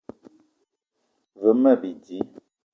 Ve ma bidi